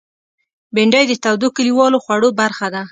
بېنډۍ د تودو کلیوالو خوړو برخه ده